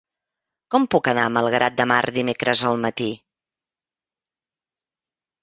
Com puc anar a Malgrat de Mar dimecres al matí?